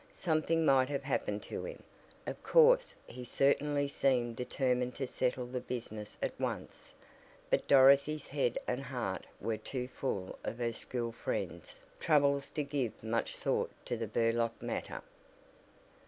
Something might have happened to him. Of course, he certainly seemed determined to settle the business at once, but Dorothy's head and heart were too full of her school friends' troubles to give much thought to the Burlock matter.